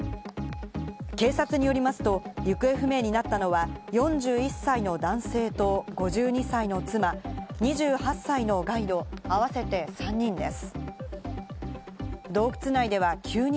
警察によりますと、行方不明になったのは４１歳の男性と５２歳の妻、２８歳のガイド、合わせて３人です。